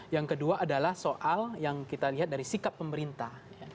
yang kedua adalah soal yang kita lihat dari sikap pemerintah